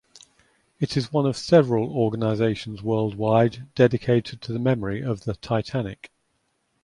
It is one of several organizations worldwide dedicated to the memory of the "Titanic".